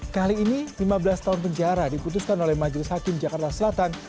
kali ini lima belas tahun penjara diputuskan oleh majelis hakim jakarta selatan